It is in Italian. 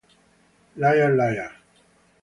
Liar Liar